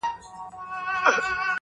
ستا پۀ وادۀ كې جېنكو بېګاه چمبه وهله-